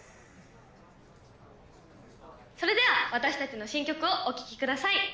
それでは私たちの新曲をお聴きください＠